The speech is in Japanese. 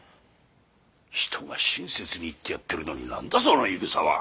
人が親切に言ってやってるのに何だその言いぐさは。